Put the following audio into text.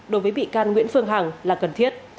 đối với bị can nguyễn phương hằng là cần thiết